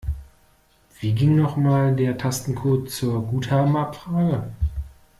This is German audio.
Wie ging noch mal der Tastencode zur Guthabenabfrage?